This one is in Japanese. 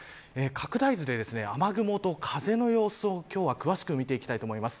拡大図で雨雲と風の様子を今日は、詳しく見ていきたいと思います。